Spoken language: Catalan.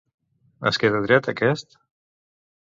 Es queda dret aquest?